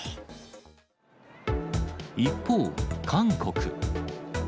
一方、韓国。